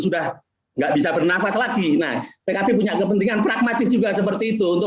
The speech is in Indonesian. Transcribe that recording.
sudah nggak bisa bernafas lagi nah pkb punya kepentingan pragmatis juga seperti itu untuk